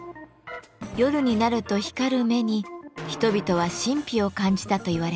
夜になると光る目に人々は神秘を感じたといわれます。